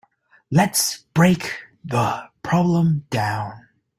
Let's break the problem down.